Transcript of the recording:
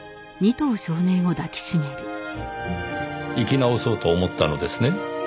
生き直そうと思ったのですね。